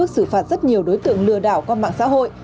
xử phạt rất nhiều đối tượng lừa đảo qua mạng xã hội